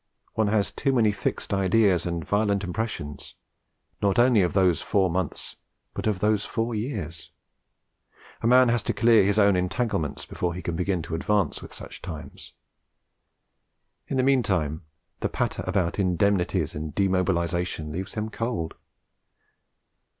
One has too many fixed ideas and violent impressions, not only of those four months, but of these four years: a man has to clear his own entanglements before he can begin to advance with such times. In the meantime the patter about Indemnities and Demobilisation leaves him cold.